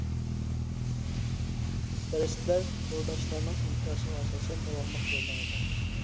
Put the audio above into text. دەرسلەر تورداشلارنىڭ ئىنكاسىغا ئاساسەن داۋاملىق يوللىنىدۇ.